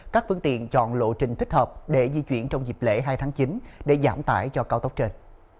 các phương tiện chọn lộ trình thích hợp để di chuyển trong dịp lễ hai tháng chín để giảm tải cho cao tốc trên